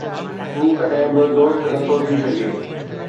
هو ڪڏهن به دوست نٿو ٿي سگهي